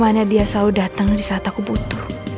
bagaimana dia selalu datang di saat aku butuh